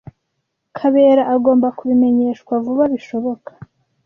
Kabera agomba kubimenyeshwa vuba bishoboka.